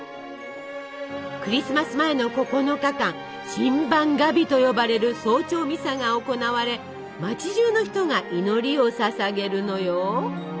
クリスマス前の９日間「シンバンガビ」と呼ばれる早朝ミサが行われ街じゅうの人が祈りをささげるのよ。